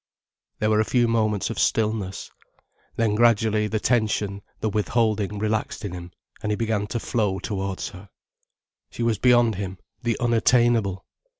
There were a few moments of stillness. Then gradually, the tension, the withholding relaxed in him, and he began to flow towards her. She was beyond him, the unattainable.